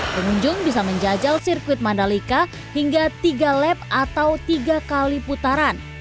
pengunjung bisa menjajal sirkuit mandalika hingga tiga lap atau tiga kali putaran